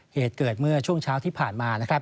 เหตุเกิดเมื่อช่วงเช้าที่ผ่านมานะครับ